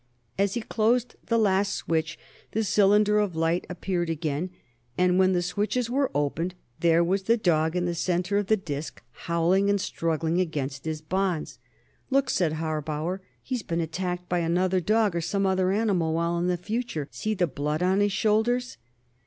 As he closed the last switch, the cylinder of light appeared again, and when the switches were opened, there was the dog in the center of the disc, howling and struggling against his bonds. "Look!" cried Harbauer. "He's been attacked by another dog, or some other animal, while in the future. See the blood on his shoulders?"